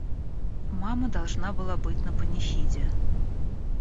Мама должна была быть на панихиде.